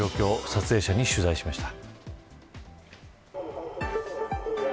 撮影者に取材しました。